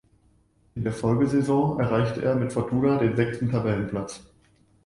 In der Folgesaison erreichte er mit Fortuna den sechsten Tabellenplatz.